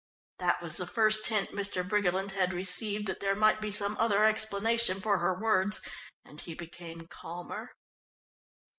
That was the first hint Mr. Briggerland had received that there might be some other explanation for her words, and he became calmer.